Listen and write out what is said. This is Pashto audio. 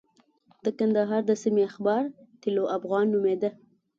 د کندهار د سیمې اخبار طلوع افغان نومېده.